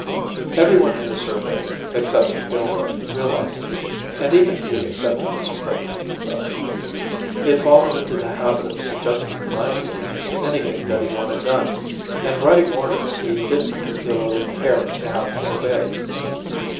Everyone in the survey except McIlroy realized this, and even he accepted this without thinking about it. He had fallen into the habit of suggesting mildly anything that he wanted done, and writing orders he didn't particularly care to have obeyed.